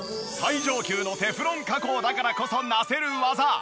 最上級のテフロン加工だからこそなせる業！